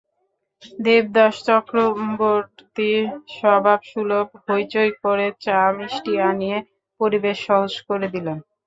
দেবদাস চক্রবর্তী স্বভাবসুলভ হইচই করে চা-মিষ্টি আনিয়ে পরিবেশ সহজ করে দিলেন।